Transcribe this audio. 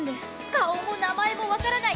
顔も名前も分からない